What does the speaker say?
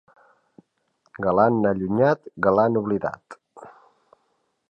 Galant allunyat, galant oblidat.